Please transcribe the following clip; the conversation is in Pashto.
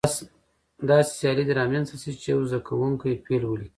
داسې سیالي دې رامنځته شي چې یو زده کوونکی فعل ولیکي.